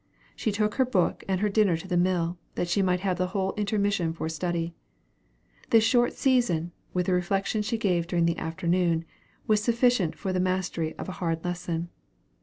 She took her book and her dinner to the mill, that she might have the whole intermission for study. This short season, with the reflection she gave during the afternoon, was sufficient for the mastery of a hard lesson.